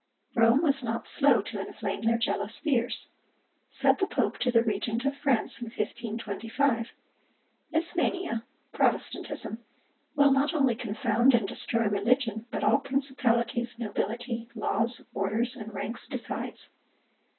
Rome was not slow to inflame their jealous fears. Said the pope to the regent of France in 1525: "This mania [Protestantism] will not only confound and destroy religion, but all principalities, nobility, laws, orders, and ranks besides."